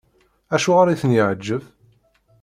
Acuɣer i ten-yeɛjeb?